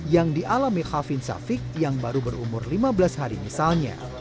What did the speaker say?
yang dialami hafin safik yang baru berumur lima belas hari misalnya